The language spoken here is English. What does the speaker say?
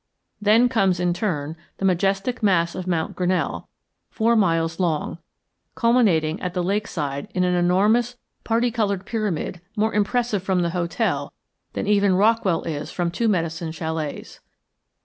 Then comes in turn the majestic mass of Mount Grinnell, four miles long, culminating at the lakeside in an enormous parti colored pyramid more impressive from the hotel than even Rockwell is from Two Medicine chalets.